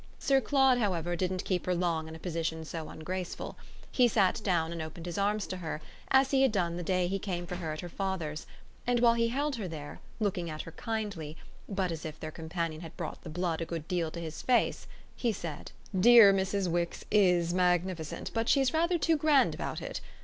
Sir Claude, however, didn't keep her long in a position so ungraceful: he sat down and opened his arms to her as he had done the day he came for her at her father's, and while he held her there, looking at her kindly, but as if their companion had brought the blood a good deal to his face, he said: "Dear Mrs. Wix is magnificent, but she's rather too grand about it.